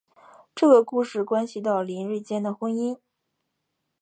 这个故事关系到林瑞间的婚姻。